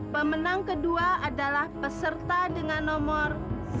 pemenang kedua adalah peserta dengan nomor satu